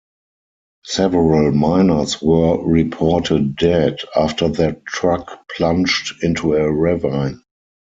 Several miners were reported dead, after their truck plunged into a ravine.